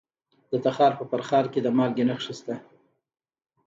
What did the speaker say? د تخار په فرخار کې د مالګې نښې شته.